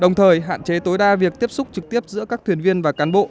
đồng thời hạn chế tối đa việc tiếp xúc trực tiếp giữa các thuyền viên và cán bộ